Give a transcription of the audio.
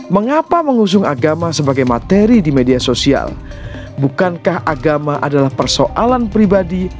mengapa mengusung agama sebagai materi di media sosial bukankah agama adalah persoalan pribadi